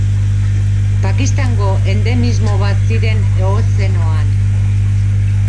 Pakistango endemismo bat ziren Eozenoan.